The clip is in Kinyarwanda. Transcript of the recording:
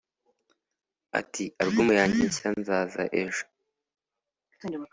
Ati “Album yanjye nshya "Nzaza ejo"